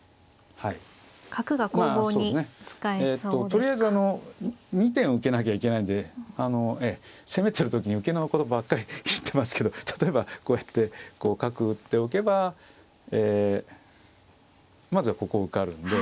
とりあえずあの２点受けなきゃいけないんで攻めてる時に受けのことばっかり言ってますけど例えばこうやってこう角打っておけばまずはここ受かるんで。